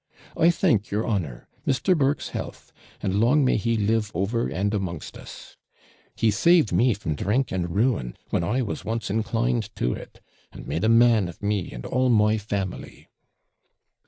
'I thank your honour; Mr. Burke's health! and long may he live over and amongst us; he saved me from drink and ruin, when I was once inclined to it, and made a man of me and all my family.'